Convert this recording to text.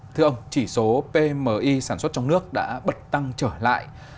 thưa ông chỉ số pmi sản xuất trong nước đã bật tăng trở lại